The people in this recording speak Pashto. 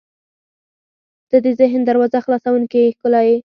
• ته د ذهن دروازه خلاصوونکې ښکلا یې.